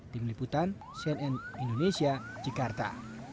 di meliputan sian n indonesia jakarta